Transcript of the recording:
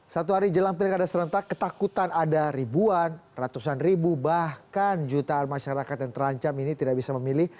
satu hari jelang pilkada serentak ketakutan ada ribuan ratusan ribu bahkan jutaan masyarakat yang terancam ini tidak bisa memilih